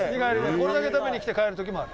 これだけ食べに来て帰る時もある。